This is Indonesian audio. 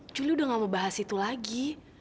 juli udah nggak mau bahas itu lagi